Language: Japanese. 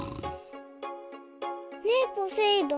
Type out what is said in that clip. ねえポセイ丼。